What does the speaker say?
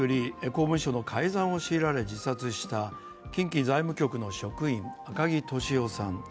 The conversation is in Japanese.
公文書の改ざんを強いられ自殺した近畿財務局の職員、赤木俊夫さん。